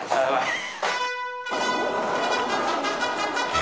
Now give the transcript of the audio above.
え⁉